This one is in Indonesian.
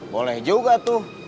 boleh juga tuh